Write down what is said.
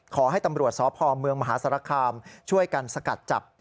ขอให้ตำรวจสพเมืองมหาสารคามช่วยกันสกัดจับ